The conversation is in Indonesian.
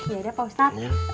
yaudah pak ustadz